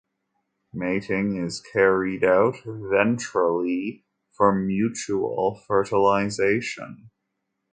Mating is carried out ventrally for mutual fertilization.